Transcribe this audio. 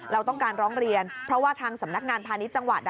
เราต้องการร้องเรียนเพราะว่าทางสำนักงานพาณิชย์จังหวัด